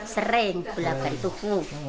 sering bulabali tuh bu